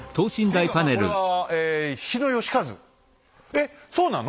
えっそうなの？